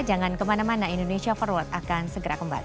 jangan kemana mana indonesia forward akan segera kembali